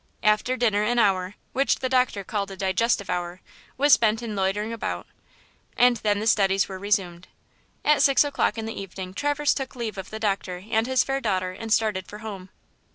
After dinner an hour–which the doctor called a digestive hour–was spent in loitering about and then the studies were resumed. At six o'clock in the evening Traverse took leave of the doctor and his fair daughter and started for home.